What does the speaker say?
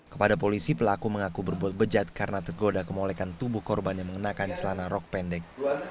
kepada polisi pelaku mengaku berbuat bejat karena tergoda kemolekan tubuh korban yang mengenakan celana rok pendek